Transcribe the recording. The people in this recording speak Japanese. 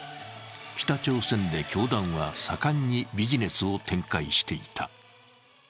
北朝鮮で教団は盛んにビジネスを展開していた。